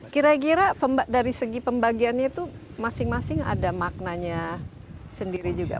kira kira dari segi pembagiannya itu masing masing ada maknanya sendiri juga